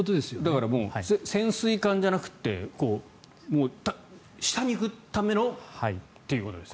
だから潜水艦じゃなくて下に行くためのということですね。